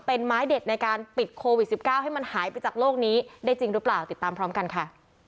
เป็นไม้เด็ดในการปิดโควิด๑๙ให้มันหายไปจากโลกนี้ได้จริงหรือเปล่าติดตามพร้อมกันค่ะ